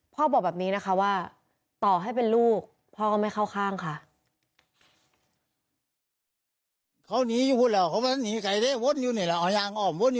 บอกแบบนี้นะคะว่าต่อให้เป็นลูกพ่อก็ไม่เข้าข้างค่ะ